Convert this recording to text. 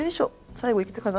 最後いったかな？